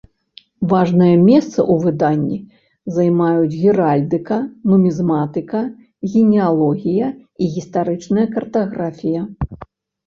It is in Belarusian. Важнае месца ў выданні займаюць геральдыка, нумізматыка, генеалогія і гістарычная картаграфія.